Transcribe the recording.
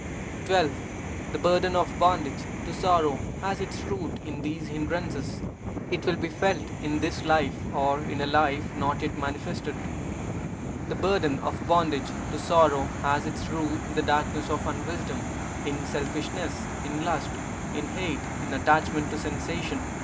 12. The burden of bondage to sorrow has its root in these hindrances. It will be felt in this life, or in a life not yet manifested. The burden of bondage to sorrow has its root in the darkness of unwisdom, in selfishness, in lust, in hate, in attachment to sensation.